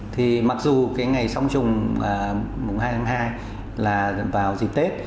thì mặc dù cái ngày song trùng mùng hai tháng hai là vào dịp tết